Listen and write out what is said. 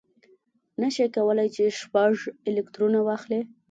نه شي کولای چې شپږ الکترونه واخلي.